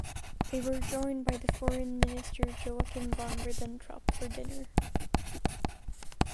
They were joined by the Foreign Minister Joachim von Ribbentrop for dinner.